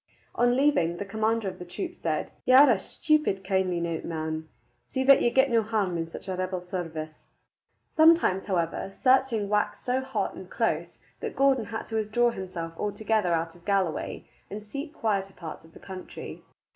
On leaving, the commander of the troop said, "Ye are a stupid kindly nowt, man. See that ye get no harm in such a rebel service." Sometimes, however, searching waxed so hot and close that Gordon had to withdraw himself altogether out of Galloway and seek quieter parts of the country.